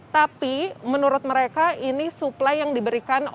tapi menurut mereka ini suplai yang diberikan otomatis